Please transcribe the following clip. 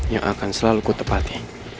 yang akan selalu kutepati